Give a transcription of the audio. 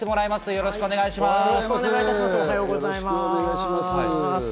よろしくお願いします。